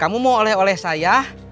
kamu mau oleh oleh saya